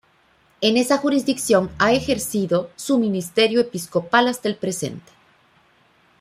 En esa Jurisdicción ha ejercido su ministerio episcopal hasta el presente.